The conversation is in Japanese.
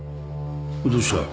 どうした？